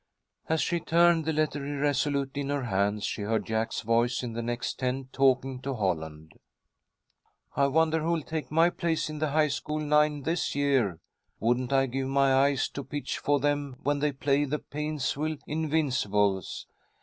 As she turned the letter irresolutely in her hands, she heard Jack's voice in the next tent, talking to Holland: "I wonder who'll take my place in the high school nine this year? Wouldn't I give my eyes to pitch for them when they play the Plainsville 'Invincibles'!